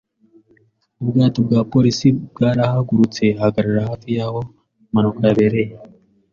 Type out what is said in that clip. Ubwato bwa polisi bwarahagurutse ahagarara hafi y’aho impanuka yabereye.